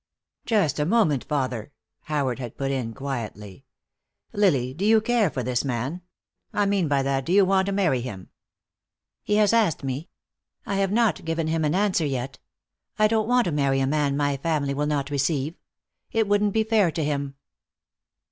"Just a moment, father," Howard had put in, quietly. "Lily, do you care for this man? I mean by that, do you want to marry him?" "He has asked me. I have not given him any answer yet. I don't want to marry a man my family will not receive. It wouldn't be fair to him."